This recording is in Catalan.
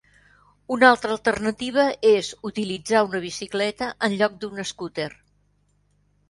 Una altra alternativa és utilitzar una bicicleta en lloc d'una escúter.